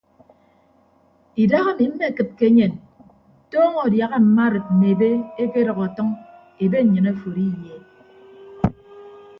Idaha ami mmekịd ke enyen tọọñọ adiaha mma arịd mme ebe ekedʌk ọtʌñ ebe nnyịn aforo iyeed.